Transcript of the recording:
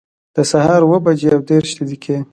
د سهار اووه بجي او دیرش دقیقي